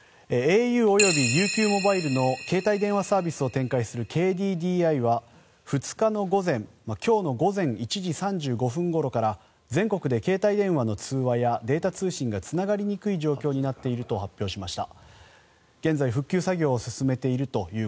ａｕ及ＵＱモバイルの携帯電話サービスを展開するＫＤＤＩは２日の午前今日の午前１時３５分ごろから全国で携帯電話の通話やデータ通信がつながりにくい状況になっていると発表しました。